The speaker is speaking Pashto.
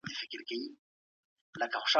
خپل حضور وښيي؛ دا عمل د عادي خلکو لپاره د